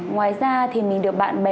ngoài ra thì mình được bạn gặp bác sĩ